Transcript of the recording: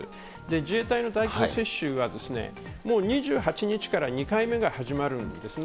自衛隊の大規模接種は、もう２８日から２回目が始まるんですね。